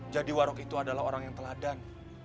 jadi warog itu adalah orang yang teladan